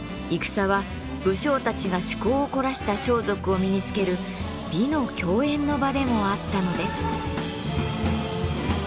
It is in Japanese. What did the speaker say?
戦は武将たちが趣向を凝らした装束を身につける美の競演の場でもあったのです。